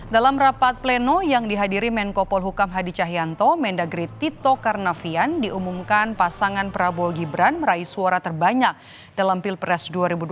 dalam rapat pleno yang dihadiri menko polhukam hadi cahyanto mendagri tito karnavian diumumkan pasangan prabowo gibran meraih suara terbanyak dalam pilpres dua ribu dua puluh